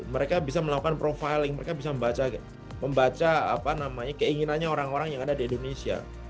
mereka bisa melakukan profiling mereka bisa membaca keinginannya orang orang yang ada di indonesia